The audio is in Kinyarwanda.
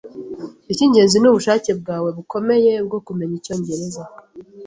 Icyingenzi nubushake bwawe bukomeye bwo kumenya icyongereza